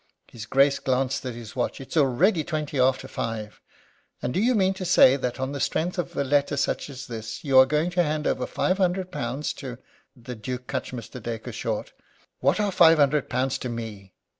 His Grace glanced at his watch. "It's already twenty after five." "And do you mean to say that on the strength of a letter such as this you are going to hand over five hundred pounds to " The Duke cut Mr. Dacre short: "What are five hundred pounds to me?